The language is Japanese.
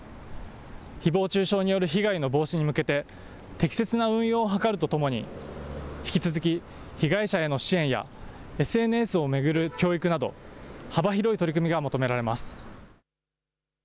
ひぼう中傷による被害の防止に向けて適切な運用を図るとともに引き続き被害者への支援やＳＮＳを巡る教育など幅広い取り組みが求められます。